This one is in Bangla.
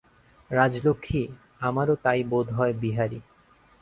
রাজলক্ষ্মী, আমারও তাই বোধ হয় বিহারী।